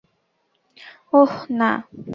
ওহ, না।